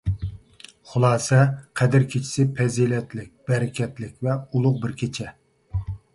خۇلاسە قەدىر كېچىسى پەزىلەتلىك، بەرىكەتلىك ۋە ئۇلۇغ بىر كېچە.